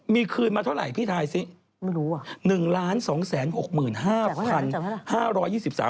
มีคืนมาเท่าไหร่พี่ทายสิไม่รู้อ่ะ